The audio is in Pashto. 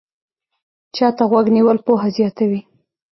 چا ته غوږ نیول پوهه زیاتوي